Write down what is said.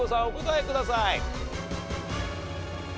お答えください。